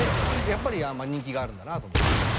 やっぱり人気があるんだなと思いました。